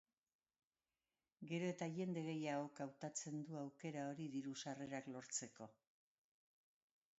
Gero eta jende gehiagok hautatzen du aukera hori diru-sarrerak lortzeko.